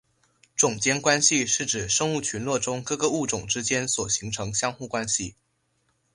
种间关系是指生物群落中各个物种之间所形成相互关系。